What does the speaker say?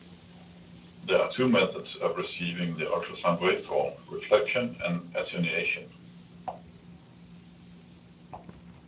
There are two methods of receiving the ultrasound waveform: reflection and attenuation.